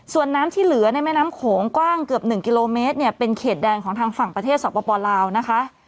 ส่วนน้ำที่เหลือในแม่น้ำโขงกว้างเกือบ๑กิโลเมตรเนี่ยเป็นเขตแดนของทางฝั่งประเทศสปลาวนะคะ